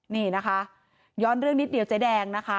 นี่นะคะย้อนเรื่องนิดเดียวเจ๊แดงนะคะ